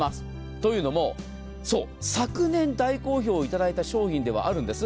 というのも昨年大好評をいただいた商品ではあるんです。